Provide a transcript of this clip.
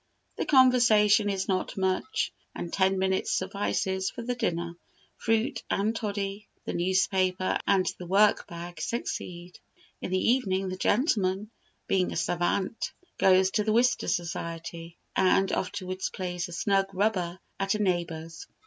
The conversation is not much, and ten minutes suffices for the dinner: fruit and toddy, the newspaper, and the work bag succeed. In the evening the gentleman, being a savant, goes to the Wister Society, and afterwards plays a snug rubber at a neighbour's.